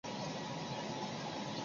博米莱基伊人口变化图示